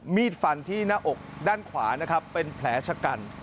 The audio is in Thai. มีดฟันที่หน้าอกด้านขวานะครับเป็นแผลชะกัน